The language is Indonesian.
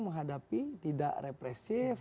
menghadapi tidak represif